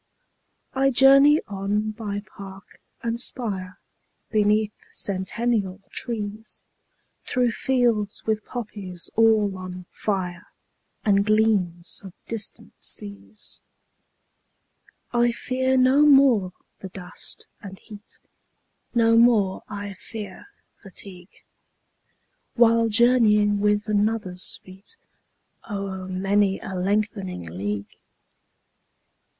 20 I journey on by park and spire, Beneath centennial trees, Through fields with poppies all on fire, And gleams of distant seas. I fear no more the dust and heat, 25 No more I fear fatigue, While journeying with another's feet O'er many a lengthening league.